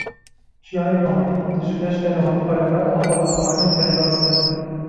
Çiyayên Alpî ji deştên Ewropayê re ava vexwarinê peyda dikin.